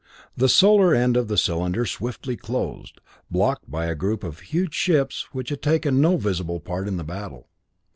The Solar end of the cylinder swiftly closed, blocked by a group of huge ships which had taken no visible part in the battle.